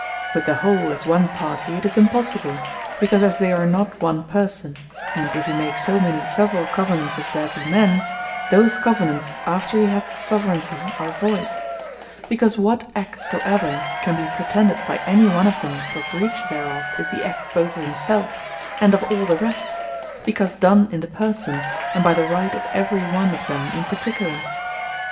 With the whole, as one party, it is impossible; because as yet they are not one Person: and if he make so many severall Covenants as there be men, those Covenants after he hath the Soveraignty are voyd, because what act soever can be pretended by any one of them for breach thereof, is the act both of himselfe, and of all the rest, because done in the Person, and by the Right of every one of them in particular.